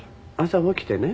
朝起きてね。